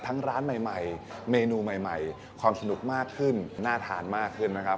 ร้านใหม่เมนูใหม่ความสนุกมากขึ้นน่าทานมากขึ้นนะครับ